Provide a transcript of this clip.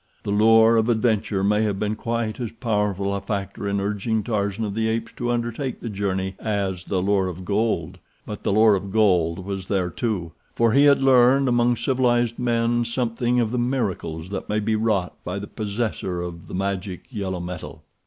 The lure of adventure may have been quite as powerful a factor in urging Tarzan of the Apes to undertake the journey as the lure of gold, but the lure of gold was there, too, for he had learned among civilized men something of the miracles that may be wrought by the possessor of the magic yellow metal.